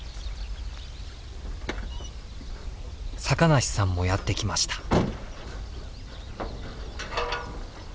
坂梨さんもやって来ました。